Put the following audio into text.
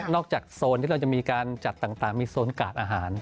อกจากโซนที่เราจะมีการจัดต่างมีโซนกาดอาหาร